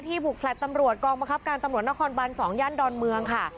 บุกแลต์ตำรวจกองบังคับการตำรวจนครบัน๒ย่านดอนเมืองค่ะ